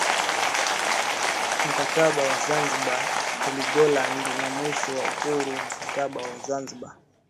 Mkataba wa Zanzibar Heligoland na mwisho wa uhuru Mkataba wa Zanzibar